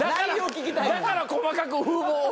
だから細かく風貌を。